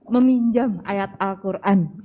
meminjam ayat al quran